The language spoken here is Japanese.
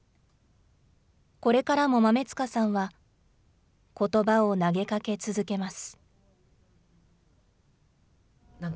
これからも豆塚さんは、ことばを投げかけ続けます。